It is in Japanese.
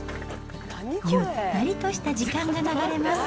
ゆったりとした時間が流れます。